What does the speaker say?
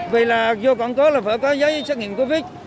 vậy là vô quảng cớ là phải có giấy xét nghiệm covid một mươi chín